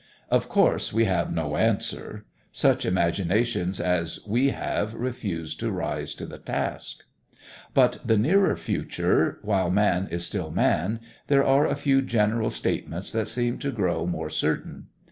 Of course we have no answer. Such imaginations as we have refuse to rise to the task. But for the nearer future, while man is still man, there are a few general statements that seem to grow more certain.